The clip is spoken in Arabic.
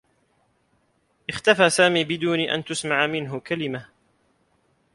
اختفى سامي بدون أن تُسمع منه كلمة.